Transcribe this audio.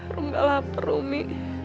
gua gak lapar rumi